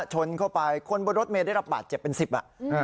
ชนเข้าไปคนบนรถเมย์ได้รับบาดเจ็บเป็นสิบอ่ะ